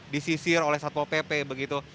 disisir oleh satpol pp begitu